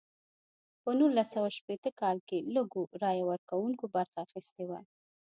په نولس سوه شپیته کال کې لږو رایه ورکوونکو برخه اخیستې وه.